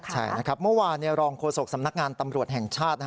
ใช่มันวานรองโฆษกสำนักงานตำรวจแห่งชาติ